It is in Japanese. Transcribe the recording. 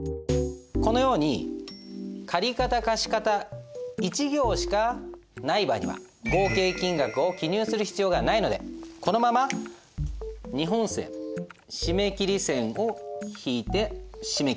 このように借方貸方１行しかない場合には合計金額を記入する必要がないのでこのまま二本線締め切り線を引いて締め切ります。